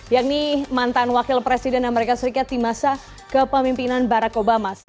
yakni mantan wakil presiden amerika serikat di masa kepemimpinan barack obama